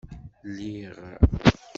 Lliɣ?